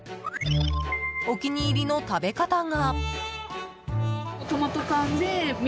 お気に入りの食べ方が。